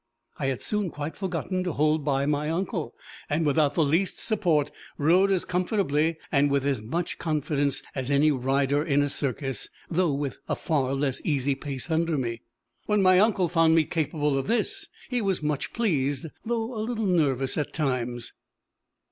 I had soon quite forgotten to hold by my uncle, and without the least support rode as comfortably, and with as much confidence, as any rider in a circus, though with a far less easy pace under me. When my uncle found me capable of this, he was much pleased, though a little nervous at times.